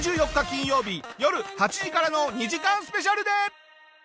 金曜日よる８時からの２時間スペシャルで！